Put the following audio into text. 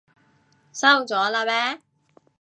收咗喇咩？